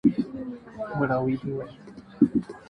不要欺負我沒讀書